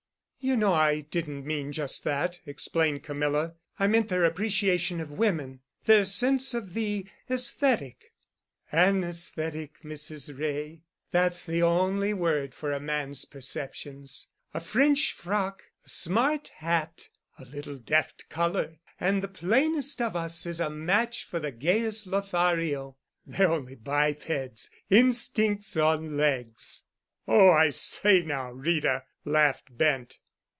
"You know I didn't mean just that," explained Camilla. "I meant their appreciation of women—their sense of the esthetic——" "Anesthetic, Mrs. Wray. That's the only word for a man's perceptions. A French frock, a smart hat, a little deft color, and the plainest of us is a match for the gayest Lothario. They're only bipeds, instincts on legs——" "Oh, I say now, Rita," laughed Bent.